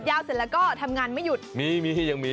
ใช้ม้าเป็นภาษณะในการเดินทางและได้เลี้ยงดูม้าไว้ภายในวัดจำนวนมาก